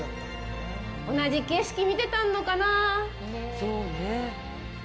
同じ景色を見てたのかなぁ。